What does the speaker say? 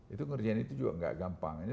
itu ngerjain itu juga nggak gampang